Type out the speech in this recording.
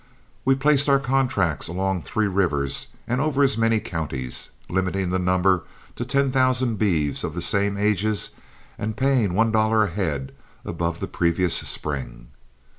We placed our contracts along three rivers and over as many counties, limiting the number to ten thousand beeves of the same ages and paying one dollar a head above the previous spring.